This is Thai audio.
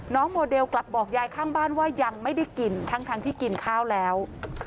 โมเดลกลับบอกยายข้างบ้านว่ายังไม่ได้กินทั้งที่กินข้าวแล้ว